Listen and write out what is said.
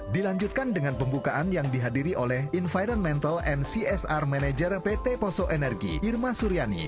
dilanjutkan dengan pembukaan yang dihadiri oleh environmental ncsr manager pt poso energi irma suryani